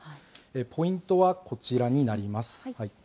ポイントはこちらになります。